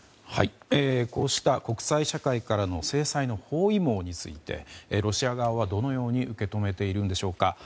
こうした国際社会からの制裁の包囲網についてロシア側は、どのように受け止めているんでしょうか。